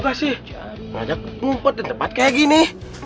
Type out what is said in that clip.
ajak ke kumput di tempat seperti ini